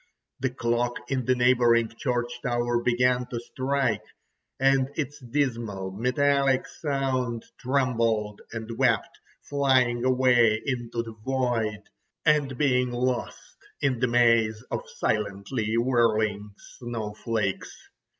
The clock in the neighbouring church tower began to strike, and its dismal metallic sound trembled and wept, flying away into the void, and being lost in the maze of silently whirling snowflakes.